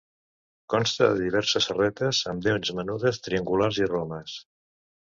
Consta de diverses serretes amb dents menudes, triangulars i romes.